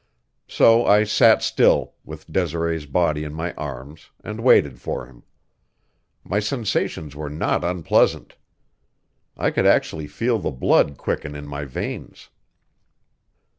So I sat still, with Desiree's body in my arms, and waited for him. My sensations were not unpleasant. I could actually feel the blood quicken in my veins.